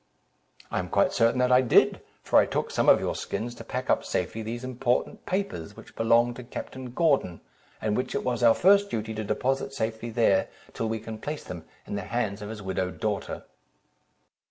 "I am quite certain that I did; for I took some of your skins to pack up safely those important papers which belonged to Captain Gordon, and which it was our first duty to deposit safely there, till we can place them in the hands of his widowed daughter."